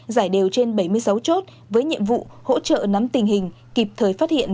giải đều trên bảy mươi sáu chốt với nhiệm vụ hỗ trợ nắm tình hình kịp thời phát hiện